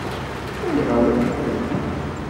Ayɣer i t-id-tuɣem?